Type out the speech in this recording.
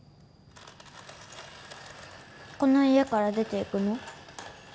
この家から出て行くの？